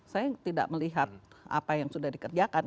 saya tidak melihat apa yang sudah dikerjakan